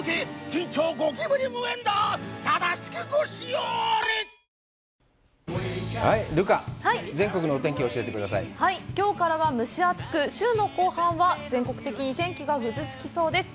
きょうからは蒸し暑く、週の後半は全国的に天気がぐずつきそうです。